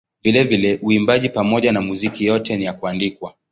Vilevile uimbaji pamoja na muziki yote ni ya kuandikwa.